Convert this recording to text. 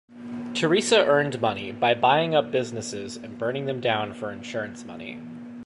Teresa earned money by buying up businesses and burning them down for insurance money.